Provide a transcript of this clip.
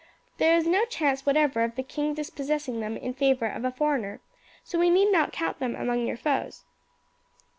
There is no chance whatever of the king dispossessing them in favour of a foreigner, so we need not count them among your foes.